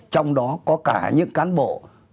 trong đó có cả những cán bộ